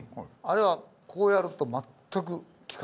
あれはこうやると全く利かない。